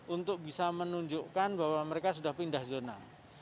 untuk bisa menunjukkan bahwa mereka sudah pindah zona